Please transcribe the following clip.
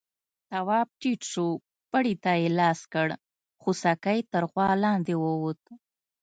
تواب ټيټ شو، پړي ته يې لاس کړ، خوسکی تر غوا لاندې ووت.